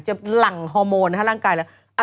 หลังฮอร์โมนให้ร่างกายแล้ว